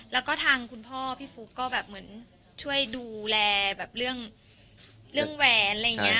แล้วก็ทางคุณพ่อพี่ฟุ๊กก็แบบเหมือนช่วยดูแลแบบเรื่องแหวนอะไรอย่างนี้